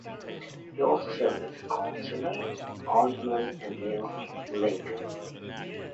He also served as a Councillor, Alderman and Mayor of Lincoln.